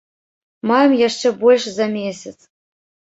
Маем яшчэ больш за месяц.